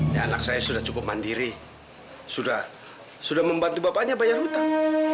ya anak saya sudah cukup mandiri sudah membantu bapaknya bayar hutang